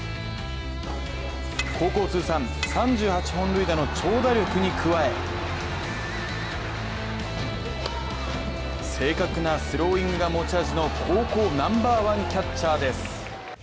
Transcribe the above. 高校通算３８本塁打の長打力に加え正確なスローイングが持ち味の高校ナンバーワンキャッチャーです。